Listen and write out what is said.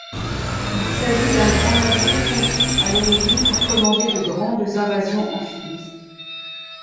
Il s'agit d'un grand navire conçu à l'origine pour commander de grandes invasions amphibies.